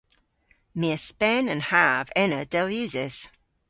My a spen an hav ena dell usys.